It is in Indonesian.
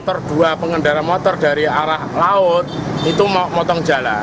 per dua pengendara motor dari arah laut itu motong jalan